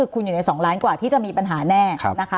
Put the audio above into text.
คุณอยู่ใน๒ล้านกว่าที่จะมีปัญหาแน่นะคะ